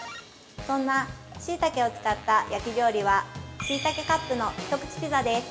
そんなしいたけを使った焼き料理は、「しいたけカップのひと口ピザ」です。